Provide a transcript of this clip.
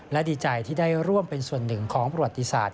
และดีใจที่ได้ร่วมเป็นส่วนหนึ่งของประวัติศาสต